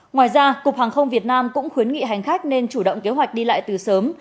ngoài ra cục hàng không việt nam cũng khuyến nghị hành khách nên chủ động kế hoạch đi lại từ sớm